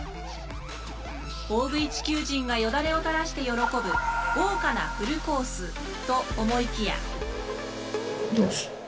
大食い地球人がよだれを垂らして喜ぶ豪華なフルコースと思いきや。